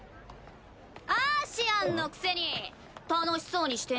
・アーシアンのくせに楽しそうにしてんじゃん。